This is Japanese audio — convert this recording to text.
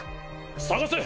捜せ！